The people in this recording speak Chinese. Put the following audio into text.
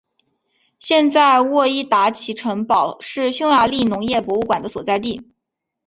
现在沃伊达奇城堡是匈牙利农业博物馆的所在地。